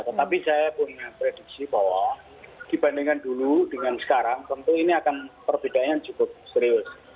tetapi saya punya prediksi bahwa dibandingkan dulu dengan sekarang tentu ini akan perbedaannya yang cukup serius